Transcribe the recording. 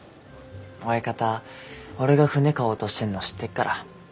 親方俺が船買おうとしてんの知ってっから。